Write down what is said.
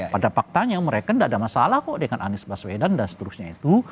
pada faktanya mereka tidak ada masalah kok dengan anies baswedan dan seterusnya itu